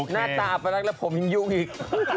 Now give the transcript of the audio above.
หน้าตาแบบนั้นแล้วผมยุ่งอีก